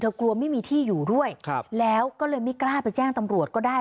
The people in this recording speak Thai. กลัวไม่มีที่อยู่ด้วยครับแล้วก็เลยไม่กล้าไปแจ้งตำรวจก็ได้